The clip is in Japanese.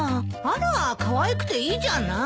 あらかわいくていいじゃない？